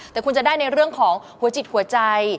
แต่คุณจะได้ในเรื่องของหัวจิตหัวใจ